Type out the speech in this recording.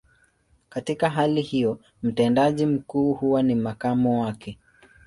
Katika hali hiyo, mtendaji mkuu huwa ni makamu wake.